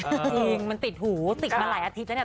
จริงมันติดหูติดมาหลายอาทิตย์แล้วเนี่ย